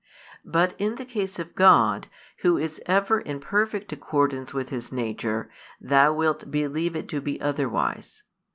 But in the case of God, Who is ever in perfect accordance with His nature, thou wilt believe it to be otherwise.